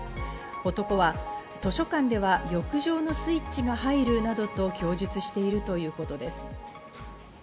男は、図書館では欲情のスイッチが入るなどと供述しているということです。